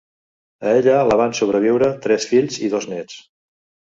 A ella la van sobreviure tres fills i dos nets.